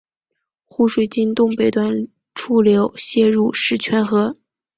湖水经东北端出流泄入狮泉河。